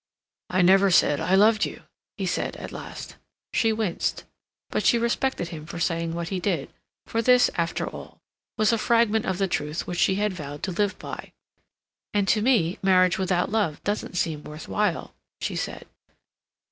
"I never said I loved you," he said at last. She winced; but she respected him for saying what he did, for this, after all, was a fragment of the truth which she had vowed to live by. "And to me marriage without love doesn't seem worth while," she said.